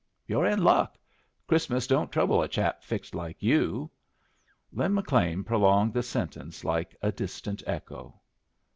You're in luck. Christmas don't trouble a chap fixed like you." Lin McLean prolonged the sentence like a distant echo.